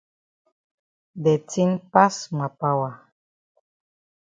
De tin pass ma power.